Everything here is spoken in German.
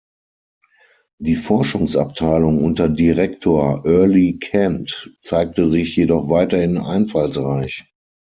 Die Forschungsabteilung unter Direktor Earle Kent zeigte sich jedoch weiterhin einfallsreich.